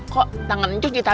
saya melemah zeigen